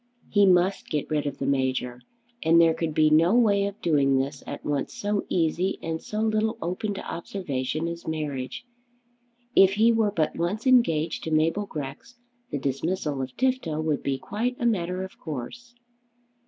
He must get rid of the Major, and there could be no way of doing this at once so easy and so little open to observation as marriage. If he were but once engaged to Mabel Grex the dismissal of Tifto would be quite a matter of course.